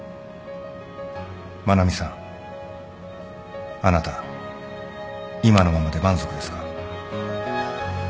愛菜美さんあなた今のままで満足ですか？